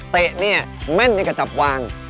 เตะเนี่ยแม่นในกระจับวาง